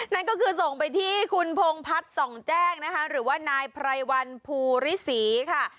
นั่นก็คือส่งไปที่คุณพงพัฒน์ส่องแจ้งนะคะหรือว่านายไพรวันภูริศรีค่ะ